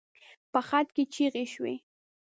په خط کې چيغې شوې.